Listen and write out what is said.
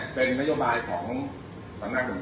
เป็นโน้นจริงเนี่ย